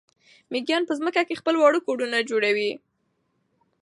مېږیان په ځمکه کې خپل واړه کورونه جوړوي.